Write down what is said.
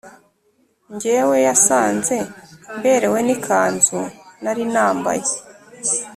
njyewe yasanze mberewe n’ikanzu nari nambaye